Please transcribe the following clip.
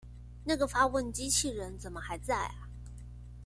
那個發問機器人怎麼還在阿